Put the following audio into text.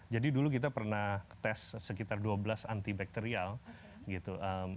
jadi dulu kita pernah tes sekitar dua belas antibakterial gitu